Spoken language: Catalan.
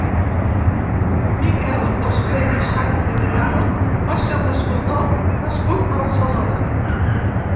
Miquel Oslé i Sáenz de Medrano va ser un escultor nascut a Barcelona.